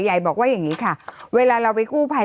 ใหญ่บอกว่าอย่างนี้ค่ะเวลาเราไปกู้ภัย